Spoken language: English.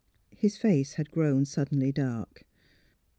His face had grown suddenly dark.